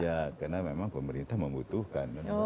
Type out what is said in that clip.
karena memang pemerintah membutuhkan